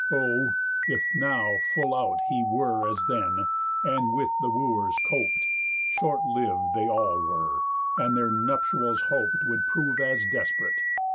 O, if now full out He were as then, and with the Wooers coped, Short liv'd they all were, and their nuptials hoped Would prove as desp'rate.